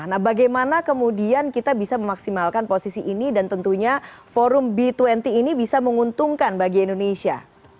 nah bagaimana kemudian kita bisa memaksimalkan posisi ini dan tentunya forum b dua puluh ini bisa menguntungkan bagi indonesia